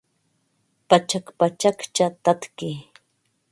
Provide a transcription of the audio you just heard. Pachak pachakcha tatki